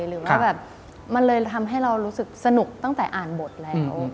หรือว่าแบบมันเลยทำให้เรารู้สึกสนุกตั้งแต่อ่านบทแล้ว